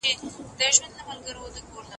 تاسو په خپلو منځونو کي صادق اوسئ.